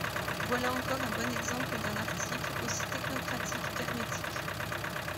Voilà encore un bon exemple d’un article aussi technocratique qu’hermétique.